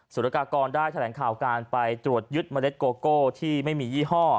สุรกากรได้แถลงข่าวการไปตรวจยึดเมล็ดโกโก้ที่ไม่มียี่ห้อ